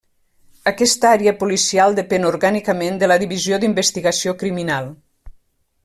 Aquesta àrea policial depèn orgànicament de la Divisió d'Investigació Criminal.